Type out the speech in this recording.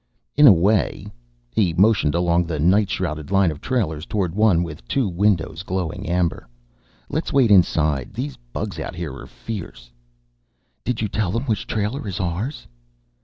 "In a way." He motioned along the night shrouded line of trailers toward one with two windows glowing amber. "Let's wait inside. These bugs out here are fierce." "Did you tell them which trailer is ours?"